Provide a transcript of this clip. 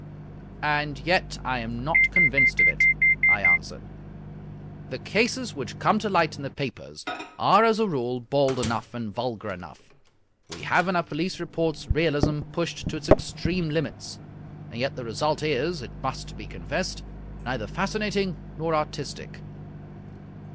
" And yet I am not convinced of it," I answered. " The cases which come to light in the papers are, as a rule, bald enough, and vulgar enough. We have in our police reports realism pushed to its extreme limits, and yet the result is, it must be confessed, neither fascinating nor artistic."